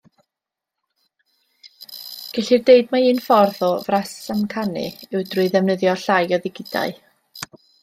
Gellir deud mai un ffordd o frasamcanu yw drwy ddefnyddio llai o ddigidau.